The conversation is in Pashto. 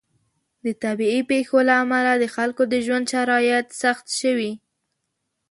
د طبیعي پیښو له امله د خلکو د ژوند شرایط سخت شوي.